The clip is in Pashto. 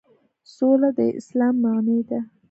سوله د اسلام معنی ده